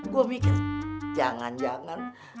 gue mikir jangan jangan